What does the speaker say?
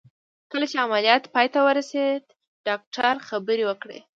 کله چې عمليات پای ته ورسېد ډاکتر خبرې وکړې.